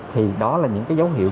thì đó là những cái dấu hiệu